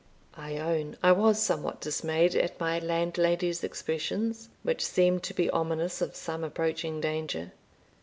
I own I was somewhat dismayed at my landlady's expressions, which seemed to be ominous of some approaching danger.